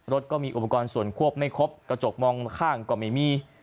รถก็มีอุปกรณ์ส่วนควบไม่ครบกระจกมองข้างก็ไม่มี